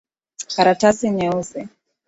Karatasi nyeusi.